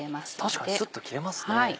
確かにスッと切れますね。